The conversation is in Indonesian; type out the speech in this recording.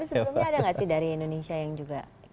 tapi sebelumnya ada nggak sih dari indonesia yang juga